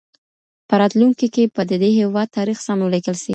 په راتلونکي کي به د دې هېواد تاریخ سم ولیکل سي.